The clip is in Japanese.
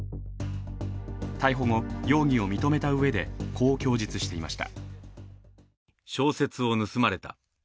逮捕後、容疑を認めたうえでこう供述していました。